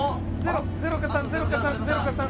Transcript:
０か３０か３０か３。